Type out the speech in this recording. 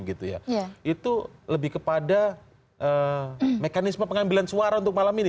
itu lebih kepada mekanisme pengambilan suara untuk malam ini